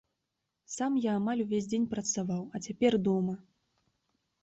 Сам я амаль увесь дзень працаваў, а цяпер дома.